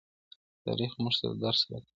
تاريخ موږ ته درس راکوي.